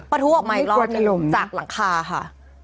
ประทู้ออกมาอีกรอบหนึ่งจากหลังคาค่ะ